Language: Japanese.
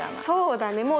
そうだね。